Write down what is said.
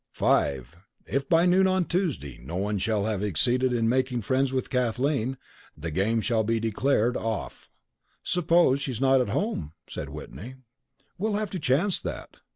"5. If by noon on Tuesday no one shall have succeeded in making friends with Kathleen, the game shall be declared off." "Suppose she's not at home?" said Whitney. "We'll have to chance that."